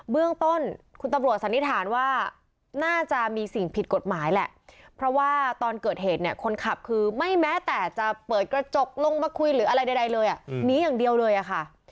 เรื่องต้นคุณตำรวจสันนิษฐานว่าน่าจะมีสิ่งผิดกฎหมายแหละเพราะว่าตอนเกิดเหตุเนี่ยคนขับคือไม่แม้แต่จะเปิดกระจกลงมาคุยหรืออะไรใดเลยหนีอย่างเดียวเลยอะค่ะ